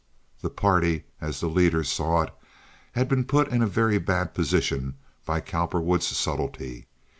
The party, as the leaders saw it, had been put in a very bad position by Cowperwood's subtlety.